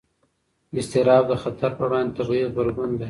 اضطراب د خطر پر وړاندې طبیعي غبرګون دی.